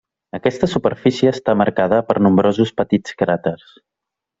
Aquesta superfície està marcada per nombrosos petits cràters.